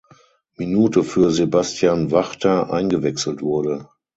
Minute für Sebastian Wachter eingewechselt wurde.